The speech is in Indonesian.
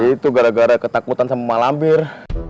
itu gara gara ketakutan sama malam bir